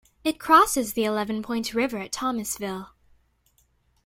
It crosses the Eleven Point River at Thomasville.